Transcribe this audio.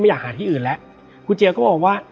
ไม่อยากหาที่อื่นแล้ว